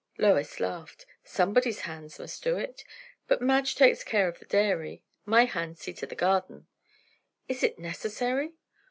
Lois laughed. "Somebody's hands must do it. But Madge takes care of the dairy. My hands see to the garden." "Is it necessary?"